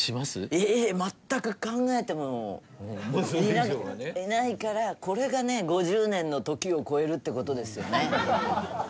いえいえ全く考えてもいないからこれがね５０年の時を超えるって事ですよね。